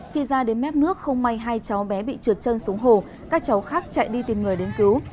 khi ra đến mép nước không may hai cháu bé bị trượt chân xuống hồ các cháu khác chạy đi tìm người đến cứu